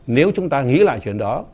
nếu chúng ta nghĩ lại chuyện đó